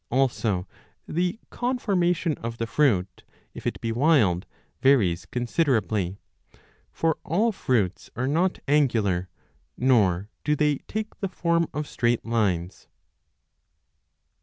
Also the conformation of the fruit, if it be wild, varies considerably ; for all fruits are not angular, nor do they take the form of straight lines.